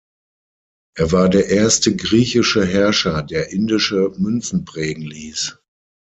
Er war der erste griechische Herrscher, der indische Münzen prägen ließ.